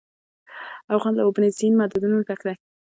افغانستان له اوبزین معدنونه ډک دی.